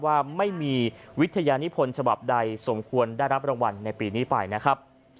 ว่าไม่มีวิทยานิพลฉบับใดสมควรได้รับรางวัลในปีนี้ไปนะครับ